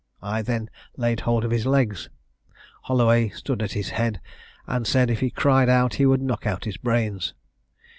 I then laid hold of his legs. Holloway stood at his head, and said if he cried out he would knock out his brains.